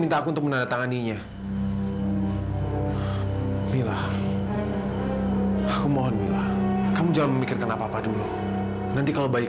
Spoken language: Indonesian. minta aku untuk menandatangani nya mila aku mohon kamu jangan mikirkan apa apa dulu nanti kalau bayi